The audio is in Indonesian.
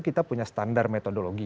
kita punya standar metodologi